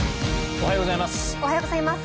おはようございます。